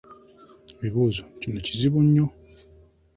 Ebibuuzo kino kizibu nnyo.